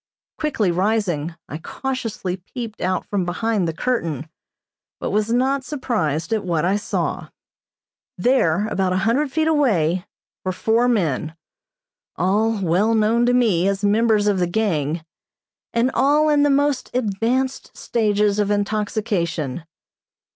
Quickly rising, I cautiously peeped out from behind the curtain, but was not surprised at what I saw. There, about a hundred feet away, were four men, all well known to me as members of the gang, and all in the most advanced stages of intoxication.